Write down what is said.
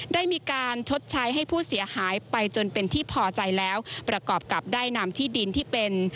ได้มีการชดใช้ให้ผู้เสียหายไปจนเป็นที่พอใจแล้วประกอบกับได้นำที่ดินที่เป็น